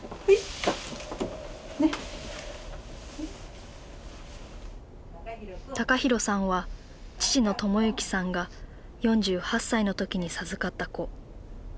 陽大さんは父の智之さんが４８歳の時に授かった子。